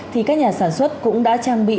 thì các nhà sản xuất cũng đã trang bị